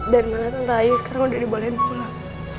dan malah tante ayu sekarang udah dibolehin pulang